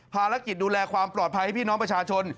ภารกิจดูแลความปลอดภัยให้พี่น้องประชาชน